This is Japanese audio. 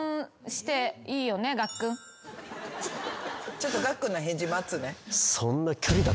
ちょっとガッくんの返事待つね。